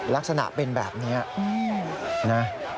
ลักษณะเป็นแบบนี้นะ